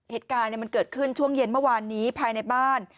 เหตุการณ์มันเกิดขึ้นช่วงเย็นเมื่อวานนี้ภายในบ้าน